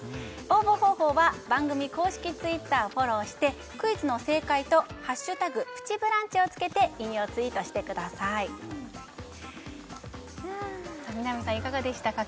応募方法は番組公式Ｔｗｉｔｔｅｒをフォローしてクイズの正解と「＃プチブランチ」をつけて引用ツイートしてください南さんいかがでしたか？